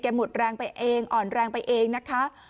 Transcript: หมดแรงไปเองอ่อนแรงไปเองนะคะ